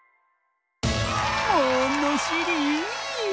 ものしり！